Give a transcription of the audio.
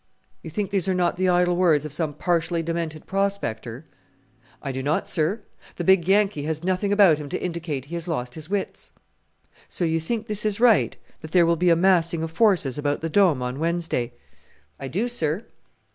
"You think these are not the idle words of some partially demented prospector?" "I do not, sir. The big Yankee has nothing about him to indicate he has lost his wits." "So you think this is right, that there will be a massing of forces about the Dome on Wednesday?" "I do, sir."